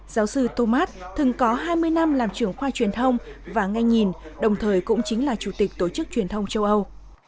giáo sư thomas từng có hai mươi năm làm trưởng khoa truyền thông và ngay nhìn đồng thời cũng chính là chủ tịch tổ chức truyền thông châu âu